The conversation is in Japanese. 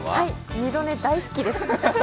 二度寝大好きです。